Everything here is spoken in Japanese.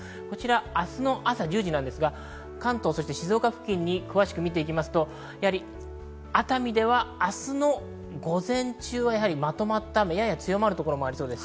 明日の朝１０時ですが関東、静岡付近に詳しく見ていくと、熱海では明日の午前中はまとまった雨、強まる所もありそうです。